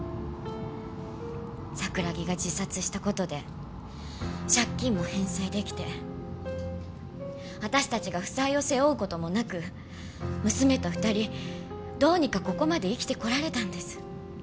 桜木が自殺した事で借金も返済出来て私たちが負債を背負う事もなく娘と２人どうにかここまで生きてこられたんです。